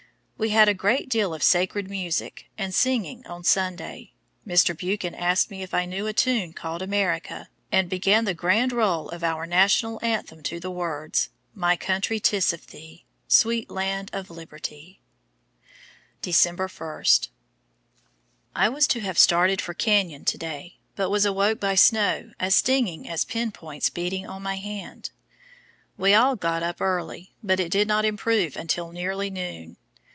We had a great deal of sacred music and singing on Sunday. Mr. Buchan asked me if I knew a tune called "America," and began the grand roll of our National Anthem to the words: My country, 'tis of thee, Sweet land of liberty, etc. December 1. I was to have started for Canyon to day, but was awoke by snow as stinging as pinpoints beating on my hand. We all got up early, but it did not improve until nearly noon.